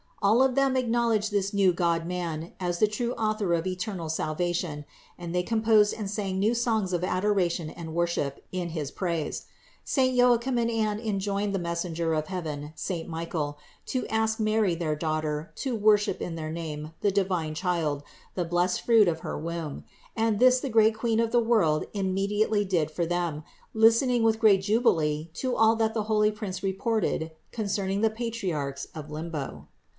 All of them acknowledged this new Godman as the true Author of eternal salvation, and they com posed and sang new songs of adoration and worship in his praise. Saint Joachim and Anne enjoined the messenger of heaven, saint Michael, to ask Mary their Daughter to worship in their name the divine Child, the blessed Fruit of her womb ; and this the great Queen of 411 412 CITY OF GOD the world immediately did for them, listening with great jubilee to all that the holy prince reported concerning the Patriarchs of limbo.